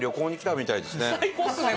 最高ですね